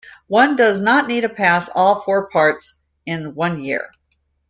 One does not need to pass all four parts in one year.